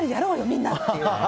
みんなっていう。